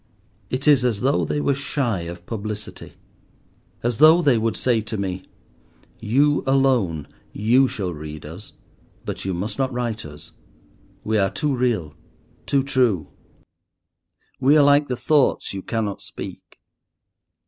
It is as though they were shy of publicity, as though they would say to me—"You alone, you shall read us, but you must not write us; we are too real, too true. We are like the thoughts you cannot speak.